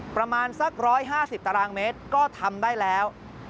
ประมาณสัก๑๕๐ตารางเมตรก็ทำได้แล้ว